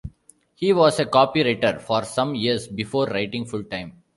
He was a copywriter for some years before writing full-time.